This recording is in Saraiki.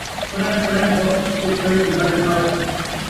پریں پریں وت تے کئی ݙیہاڑے بچ